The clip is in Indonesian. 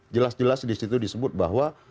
jelas jelas disitu disebut bahwa